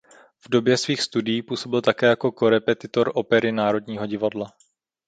V době svých studií působil také jako korepetitor opery Národního divadla.